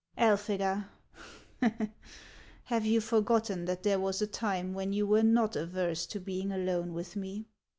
" Elphega, have you forgotten that there was a time when you were not averse to being alone with me